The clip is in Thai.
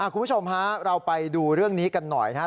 คุณผู้ชมฮะเราไปดูเรื่องนี้กันหน่อยนะครับ